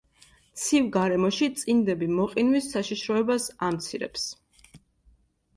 ცივ გარემოში, წინდები მოყინვის საშიშროებას ამცირებს.